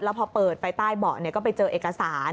พอเปิดไปใต้เบาะก็ไปเจอเอกสาร